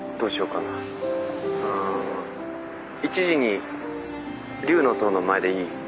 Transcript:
うん１時に竜の塔の前でいい？